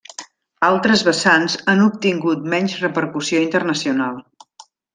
Altres vessants han obtingut menys repercussió internacional.